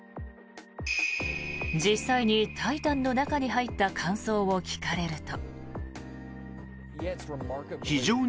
実際に「タイタン」の中に入った感想を聞かれると。